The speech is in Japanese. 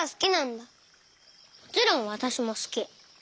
もちろんわたしもすき。